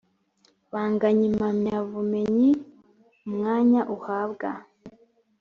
banganya impamyabumenyi umwanya uhabwa